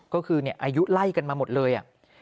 ก็คืออายุไล่กันมาหมดเลย